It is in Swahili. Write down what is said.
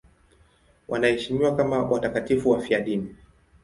Wanaheshimiwa kama watakatifu wafiadini.